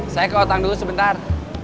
saya ke otak dulu sebentar